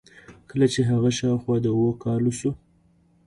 کله چې هغه شاوخوا د اوو کالو شو.